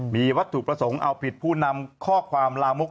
มีวัตถุประสงค์เอาผิดผู้นำข้อความลามก